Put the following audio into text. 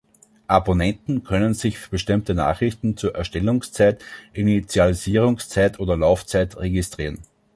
Abonnenten können sich für bestimmte Nachrichten zur Erstellungszeit, Initialisierungszeit oder Laufzeit registrieren.